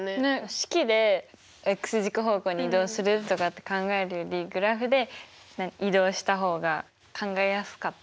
式で軸方向に移動するとかって考えるよりグラフで移動した方が考えやすかった。